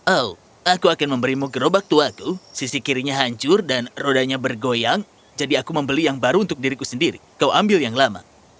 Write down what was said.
oh aku akan memberimu gerobak tuaku sisi kirinya hancur dan rodanya bergoyang jadi aku membeli yang baru untuk diriku sendiri kau ambil yang lama